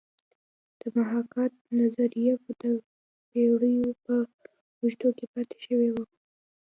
د محاکات نظریه د پیړیو په اوږدو کې پاتې شوې ده